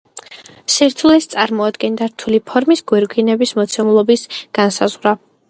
სირთულეს წარმოადგენდა რთული ფორმის გვირგვინის მოცულობის განსაზღვრა.